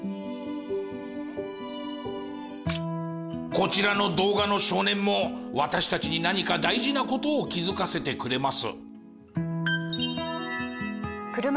こちらの動画の少年も私たちに何か大事な事を気づかせてくれます。